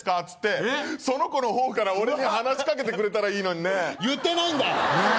つってその子の方から俺に話しかけてくれたらいいのにね言ってないんだ！